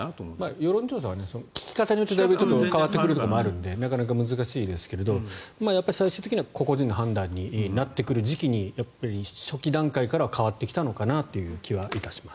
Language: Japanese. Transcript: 世論調査は聞き方によってだいぶ変わってくるところはあるので難しいですけど最終的には個々人の判断になってくる時期に初期段階から変わってきたのかなという気はします。